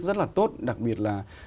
rất là tốt đặc biệt là